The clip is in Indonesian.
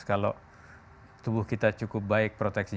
kalau tubuh kita cukup baik proteksi